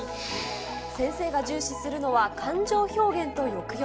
先生が重視するのは、感情表現と抑揚。